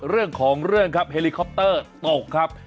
เรื่องของเรื่องครับเฮลิคอปเตอร์ตกครับ